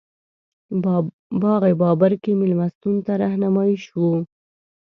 باغ بابر کې مېلمستون ته رهنمایي شوو.